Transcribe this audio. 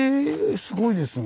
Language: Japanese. すごいですね。